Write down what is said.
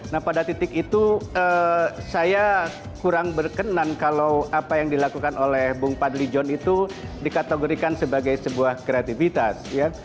nah pada titik itu saya kurang berkenan kalau apa yang dilakukan oleh bung fadli john itu dikategorikan sebagai sebuah kreativitas ya